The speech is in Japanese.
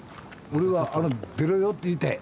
俺は「出ろよ！」と言いたい。